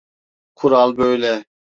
Kural böyle.